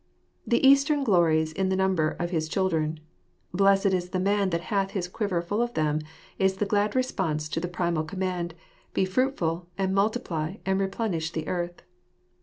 — The Eastern glories in the number of his children. "Blessed is the man that hath his quiver full of them," is the glad response to the primal command, " Be fruitful, and multiply, and replenish the earth."